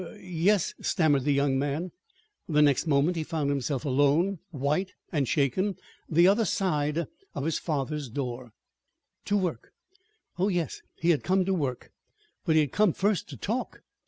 "Er yes," stammered the young man. The next moment he found himself alone, white and shaken, the other side of his father's door. To work? Oh, yes, he had come to work; but he had come first to talk.